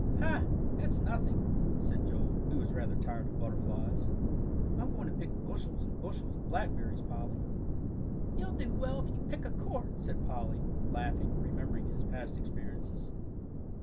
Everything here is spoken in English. "Hoh that's nothing!" said Joel, who was rather tired of butterflies. "I'm going to pick bushels and bushels of blackberries, Polly." "You'll do well if you pick a quart," said Polly, laughing, remembering his past experiences.